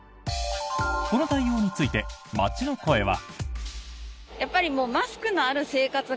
この対応について街の声は。